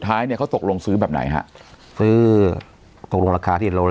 ท้ายเนี่ยเขาตกลงซื้อแบบไหนฮะซื้อตกลงราคาที่ลงละ๒๐